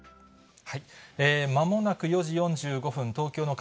まもなく４時４５分、東京の